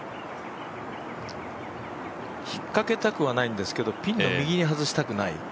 引っかけたくはないんですけど、ピンの右に外したくない。